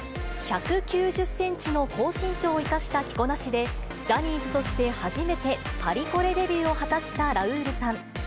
１９０センチの高身長を生かした着こなしで、ジャニーズとして初めて、パリコレデビューを果たしたラウールさん。